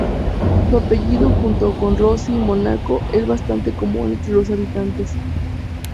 Su apellido, junto con Rossi y Mónaco, es bastante común entre los habitantes.